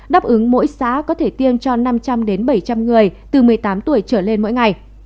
đáp ứng mỗi xã có thể tiêm cho năm trăm linh đến bảy trăm linh người từ một mươi tám tuổi trở lên mỗi ngày